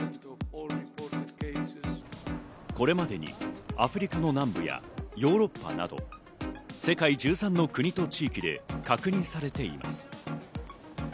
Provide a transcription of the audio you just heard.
これまでにアフリカの南部やヨーロッパなど世界１３の国と地域で確認されています。